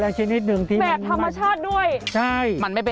เดี๋ยวจะให้ดูไตคลูนามา